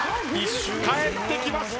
かえってきました！